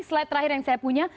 slide terakhir yang saya punya